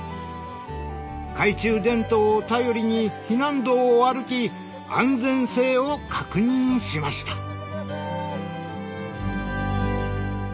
懐中電灯を頼りに避難道を歩き安全性を確認しました。